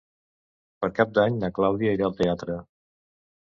Per Cap d'Any na Clàudia irà al teatre.